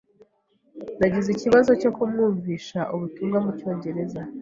Nagize ikibazo cyo kumwumvisha ubutumwa mucyongereza.